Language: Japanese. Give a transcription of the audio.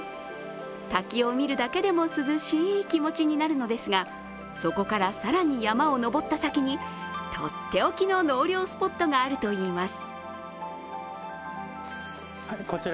滝を見るだけでも涼しい気持ちになるのですがそこから更に山を登った先にとっておきの納涼スポットがあるといいます。